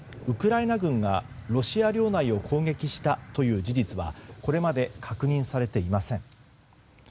ウクライナ軍がロシア領内を攻撃したという事実はこれまで確認されていません。